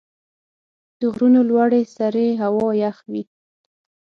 د غرونو لوړې سرې هوا یخ وي.